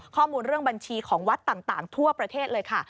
ข้อมูลเรื่องบัญชีของวัดต่างทั่วประเทศเลยค่ะ